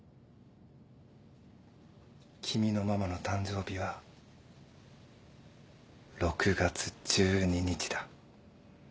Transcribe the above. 君のママの誕生日は６月１２日だ。